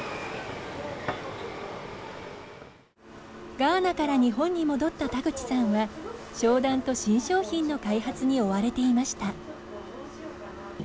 ガーナから日本に戻った田口さんは商談と新商品の開発に追われていました。